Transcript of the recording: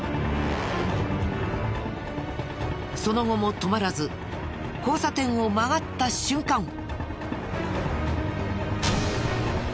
その後も止まらず交差点を曲がった瞬間。